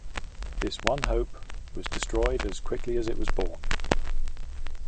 This one hope was destroyed as quickly as it was born.